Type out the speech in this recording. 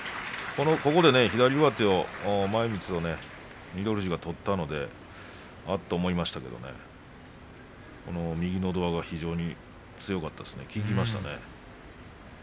ここで左上手、前みつを翠富士が取ったのであっと思いましたが右の、のど輪が強かったですね、効きましたね。